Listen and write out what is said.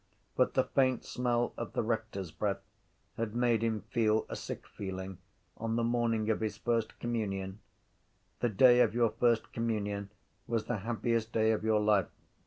But the faint smell of the rector’s breath had made him feel a sick feeling on the morning of his first communion. The day of your first communion was the happiest day of your life.